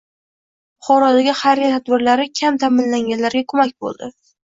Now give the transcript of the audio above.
Buxorodagi xayriya tadbirlari kam ta’minlanganlarga ko‘mak bo‘ldi